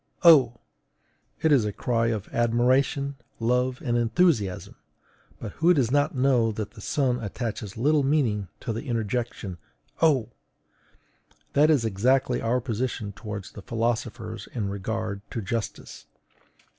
O!_ it is a cry of admiration, love, and enthusiasm; but who does not know that the sun attaches little meaning to the interjection O! That is exactly our position toward the philosophers in regard to justice.